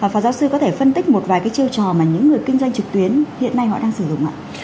phó giáo sư có thể phân tích một vài cái chiêu trò mà những người kinh doanh trực tuyến hiện nay họ đang sử dụng ạ